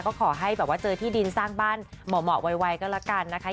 ก็ขอให้แบบว่าเจอที่ดินสร้างบ้านเหมาะไวก็แล้วกันนะคะ